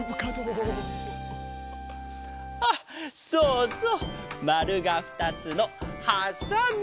あっそうそうまるがふたつのはさみ！